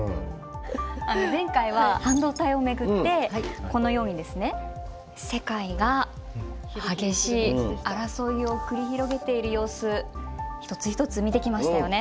前回は半導体を巡ってこのようにですね世界が激しい争いを繰り広げている様子一つ一つ見てきましたよね。